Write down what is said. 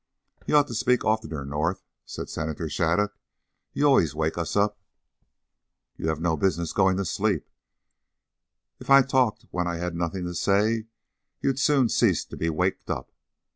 "You ought to speak oftener, North," said Senator Shattuc. "You always wake us up." "You have no business to go to sleep. If I talked when I had nothing to say, you'd soon cease to be waked up.